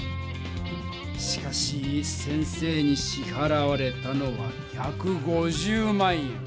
しかし先生にしはらわれたのは１５０万円。